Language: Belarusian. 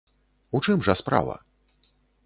У чым жа справа?